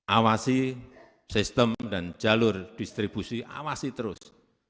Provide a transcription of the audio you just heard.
awasi sistem dan jalur distribusi awasi terus